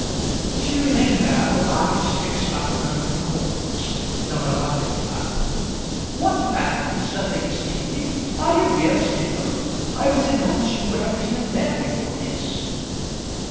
She remained there, with eyes fixed on the burning coals, till her mother came up. "What, Madeline," said Lady Staveley, "are you here still? I was in hopes you would have been in bed before this."